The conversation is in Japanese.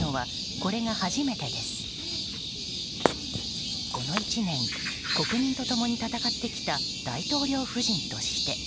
この１年、国民と共に戦ってきた大統領夫人として。